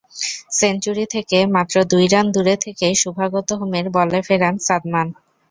Century থেকে মাত্র দুই রান দূরে থেকে শুভাগত হোমের বলে ফেরেন সাদমান।